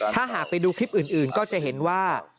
ถ้าหากไปดูคลิปอื่นก็จะเห็นว่า